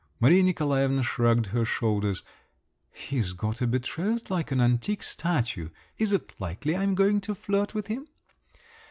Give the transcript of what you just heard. Maria Nikolaevna shrugged her shoulders. "He's got a betrothed like an antique statue, is it likely I am going to flirt with him?